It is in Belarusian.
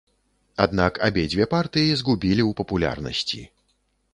Аднак абедзве партыі згубілі ў папулярнасці.